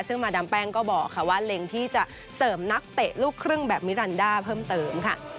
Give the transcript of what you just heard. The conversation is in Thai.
ซึ่งมาดามแป้งก็บอกค่ะว่าเล็งที่จะเสริมนักเตะลูกครึ่งแบบมิรันดาเพิ่มเติมค่ะ